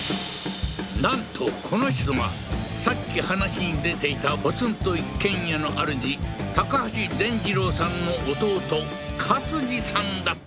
なんとこの人がさっき話に出ていたポツンと一軒家の主タカハシゼンジロウさんの弟勝二さんだった